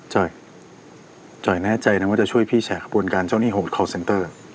จ่อยแน่ใจนะว่าจะช่วยพี่แฉกระบวนการเจ้าหนี้โหดคอลเซนเตอร์